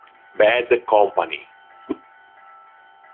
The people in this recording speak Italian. Bad Company